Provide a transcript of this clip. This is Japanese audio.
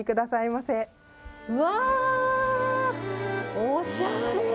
おしゃれ！